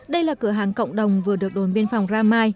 đây là cửa hàng cộng đồng vừa được đồn biên phòng ramai